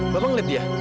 bapak ngeliat dia